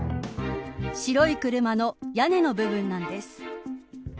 白い車の屋根の部分なんです。